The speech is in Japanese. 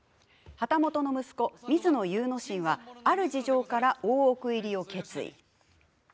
旗本の息子、水野祐之進はある事情から大奥入りを決意。